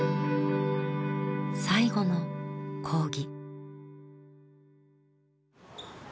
最後の講義。